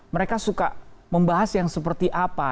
mereka suka membahas yang seperti apa